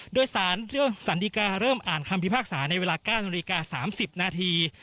โดยสารดีการเริ่มอ่านคำพิพากษาในเวลา๙นาฬิกา๓๐นาที